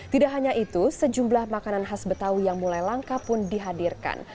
tidak hanya itu sejumlah makanan khas betawi yang mulai langka pun dihadirkan